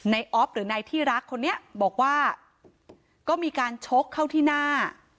ออฟหรือนายที่รักคนนี้บอกว่าก็มีการชกเข้าที่หน้า